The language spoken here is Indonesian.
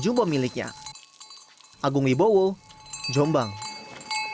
namun dalam uaranya pun kebijakan dia